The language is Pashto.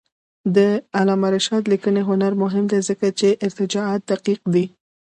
د علامه رشاد لیکنی هنر مهم دی ځکه چې ارجاعات دقیق دي.